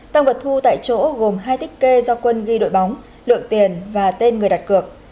tăng vật thu tại chỗ gồm hai tích kê do quân ghi đội bóng lượng tiền và tên người đặt cược